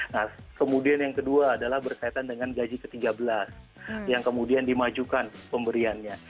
nah kemudian yang kedua adalah berkaitan dengan gaji ke tiga belas yang kemudian dimajukan pemberiannya